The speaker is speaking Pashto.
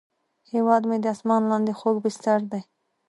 هیواد مې د اسمان لاندې خوږ بستر دی